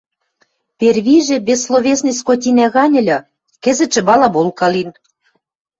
Первижӹ бессловесный скотинӓ гань ыльы, кӹзӹтшӹ балаболка лин.